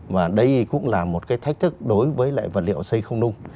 và đây cũng là một cái thách thức đối với lại vật liệu xây không nung